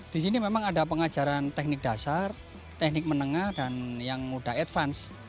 disini memang ada pengajaran teknik dasar teknik menengah dan yang mudah advance